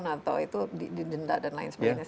atau itu didenda dan lain sebagainya